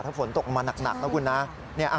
ถ้าฝนตกลงมาหนักนะคุณนะ